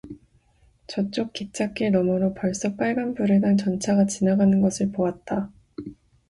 저쪽 기차길 너머로 벌써 빨간 불을 단 전차가 지나가는 것을 보았다.